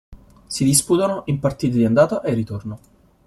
Si disputano in partite di andata e ritorno.